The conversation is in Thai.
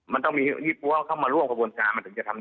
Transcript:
มันต้องมียี่ปั้วเข้ามาร่วมกระบวนการมันถึงจะทำ